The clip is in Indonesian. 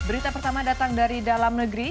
berita pertama datang dari dalam negeri